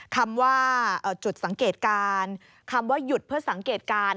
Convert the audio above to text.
คำว่าจุดสังเกตการณ์คำว่าหยุดเพื่อสังเกตการณ์